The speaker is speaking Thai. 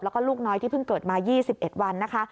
แล้วก็ลูกน้อยที่เพิ่งเกิดมา๒๑วันนะคะ